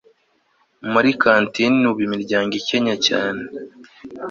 muri kantine ubu imiryango ikennye cyane